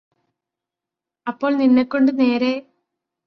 അപ്പോൾ നിന്നെക്കൊണ്ട് നേരെ